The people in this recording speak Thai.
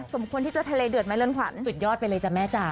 สมควรที่จะทะเลเดือดไหมเรือนขวัญสุดยอดไปเลยจ้ะแม่จ๋า